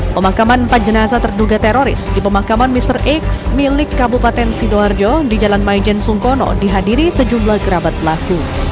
pemakaman empat jenazah terduga teroris di pemakaman mr x milik kabupaten sidoarjo di jalan maijen sungkono dihadiri sejumlah kerabat pelaku